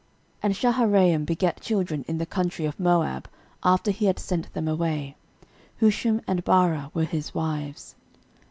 13:008:008 And Shaharaim begat children in the country of Moab, after he had sent them away; Hushim and Baara were his wives.